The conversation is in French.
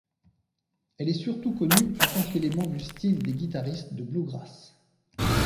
Elle est surtout connue en tant qu'élément du style des guitaristes de bluegrass.